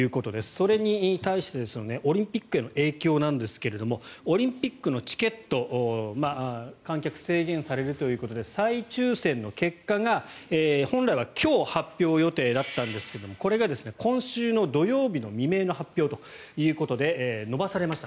それに対して、オリンピックへの影響なんですがオリンピックのチケット観客が制限されるということで再抽選の結果が本来今日、発表予定だったんですがこれが今週の土曜日の未明の発表ということで延ばされました。